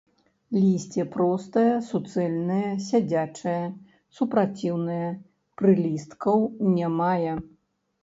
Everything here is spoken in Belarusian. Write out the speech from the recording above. Лісце простае, суцэльнае, сядзячае, супраціўнае, прылісткаў не мае.